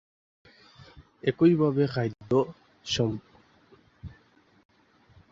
একইভাবে, খাদ্য, সম্পর্ক, জ্ঞান ও কর্ম তিনটি গুণের পরিপ্রেক্ষিতে বিস্তারিত।